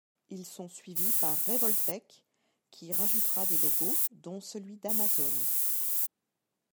Ils sont suivis par Revoltech, qui rajoutera des logos, dont celui d'Amazon.